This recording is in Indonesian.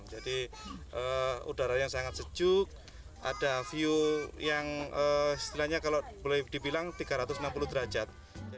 jadi udaranya sangat sejuk ada view yang istilahnya kalau boleh dibilang tiga ratus enam puluh derajat